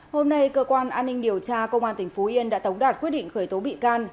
hôm nay cơ quan an ninh điều tra công an tỉnh phú yên đã tống đạt quyết định khởi tố bị can